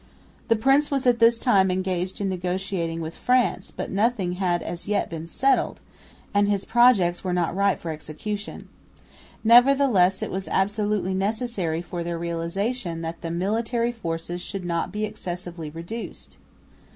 The prince was at this time engaged in negotiating with France, but nothing had as yet been settled, and his projects were not ripe for execution. Nevertheless it was absolutely necessary for their realisation that the military forces should not be excessively reduced.